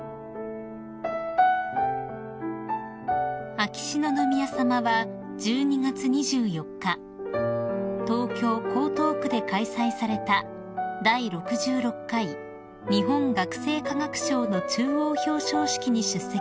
［秋篠宮さまは１２月２４日東京江東区で開催された第６６回日本学生科学賞の中央表彰式に出席されました］